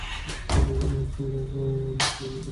সব উপকরণ একসঙ্গে মেখে নিন প্রথমে।